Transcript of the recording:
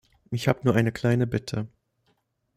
Ich habe nur eine kleine Bitte.